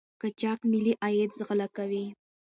قاچاق ملي عاید غلا کوي.